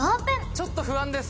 ちょっと不安です